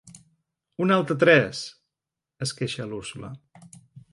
Un altre tres! –es queixa l'Úrsula–.